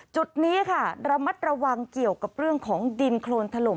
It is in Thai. จุดนี้ค่ะระมัดระวังเกี่ยวกับเรื่องของดินโครนถล่ม